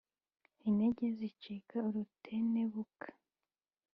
intege zicika urutentebuka